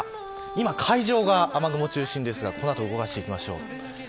今、海上が雨雲中心ですがこの後、動かしていきましょう。